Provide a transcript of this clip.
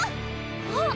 あっ！